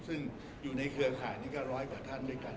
ซึ่งอยู่ในเครือข่ายนี้ก็ร้อยกว่าท่านด้วยกัน